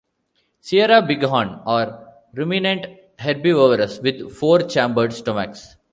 Sierra bighorn are ruminant herbivores with four-chambered stomachs.